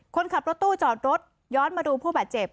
คนขับรถตู้จอดรถย้อนมาดูผู้บาดเจ็บ